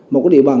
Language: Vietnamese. một cái địa bàn